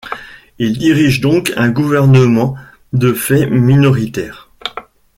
Il dirige donc un gouvernement de fait minoritaire.